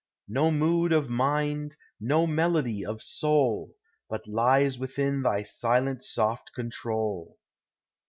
NO mood of mind, no melody of BOUl, But lies within thy sileni soli control.